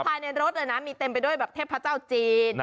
ภายในรถมีเต็มไปด้วยแบบเทพเจ้าจีน